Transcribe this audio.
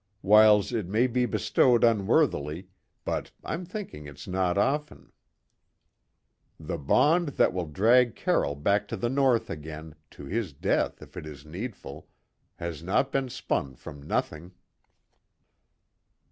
Whiles, it may be bestowed unworthily, but I'm thinking it's no often. The bond that will drag Carroll back to the North again, to his death if it is needful, has no been spun from nothing."